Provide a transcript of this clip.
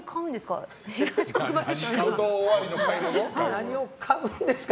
何を買うんですか？